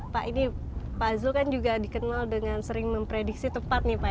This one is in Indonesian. pak ini pak zul kan juga dikenal dengan sering memprediksi tepat nih pak